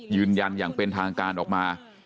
ยืนยันอย่างเป็นทางการออกมา